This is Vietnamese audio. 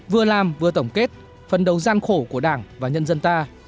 vừa làm vừa tổng kết phân đấu gian khổ của đảng và nhân dân ta